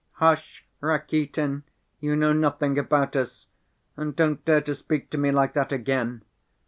"Hush, Rakitin, you know nothing about us! And don't dare to speak to me like that again.